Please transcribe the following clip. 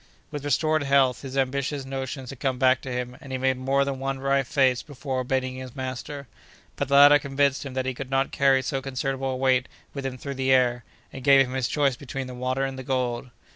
With restored health, his ambitious notions had come back to him, and he made more than one wry face before obeying his master; but the latter convinced him that he could not carry so considerable a weight with him through the air, and gave him his choice between the water and the gold.